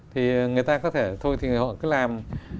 thì người ta có thể thôi thì họ cứ làm